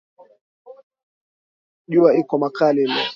Juwa iko makali leo